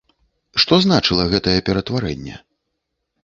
Што значыла гэтае ператварэнне?